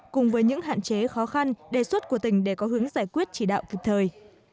cùng với những hạn chế khó khăn đề xuất của tỉnh để có hướng giải quyết chỉ đạo kịp thời